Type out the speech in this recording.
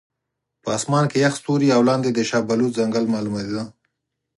په اسمان کې یخ ستوري او لاندې د شاه بلوط ځنګل معلومېده.